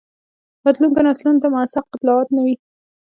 راتلونکو نسلونو ته موثق اطلاعات نه وي.